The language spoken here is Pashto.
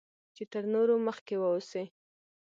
چې تر نورو مخکې واوسی